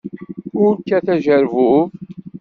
Ur kkat ajerbub.